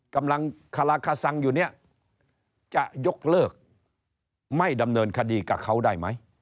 กำลังคาราคาซังอยู่เนี่ยจะยกเลิกไม่ดำเนินคดีกับเขาได้ไหม